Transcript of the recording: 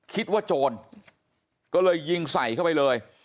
โจรก็เลยยิงใส่เข้าไปเลย